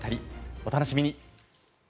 お楽しみに。